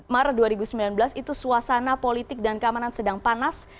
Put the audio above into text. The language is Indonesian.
maret dua ribu sembilan belas itu suasana politik dan keamanan sedang panas